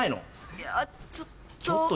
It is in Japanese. いやちょっと。